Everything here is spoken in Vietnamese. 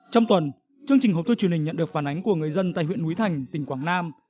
trong tuần chương trình hộp thư truyền hình nhận được phản ánh của người dân tại huyện núi thành tỉnh quảng nam